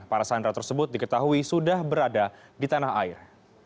para sandera tersebut diketahui sudah berada di tanah air